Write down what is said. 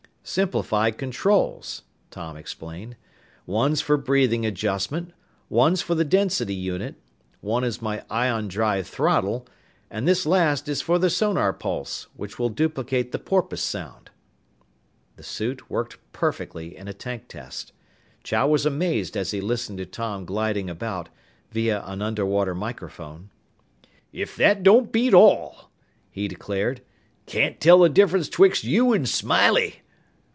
"Simplified controls," Tom explained. "One's for breathing adjustment, one's for the density unit, one is my ion drive 'throttle,' and this last is for the sonar pulse which will duplicate the porpoise sound." The suit worked perfectly in a tank test. Chow was amazed as he listened to Tom gliding about, via an underwater microphone. "If that don't beat all!" he declared. "Can't tell the difference 'twixt you an' Smiley!"